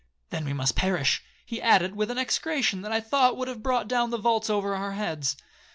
'—'Then we must perish,' he added, with an execration that I thought would have brought down the vaults over our heads.